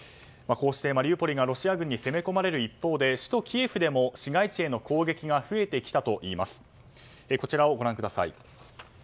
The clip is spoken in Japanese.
こうしてマリウポリがロシア軍に攻め込まれる一方で首都キエフでも市街地への攻撃が増えてきたといいます。